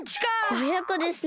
おやこですね。